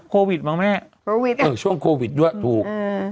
โควิดบ้างแม่ช่วงโควิดด้วยถูก